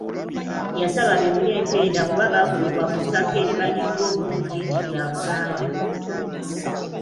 Yasaba beerule empenda kuba bagobebwa ku ttaka erimanyiddwa obulungi nti lya Buganda.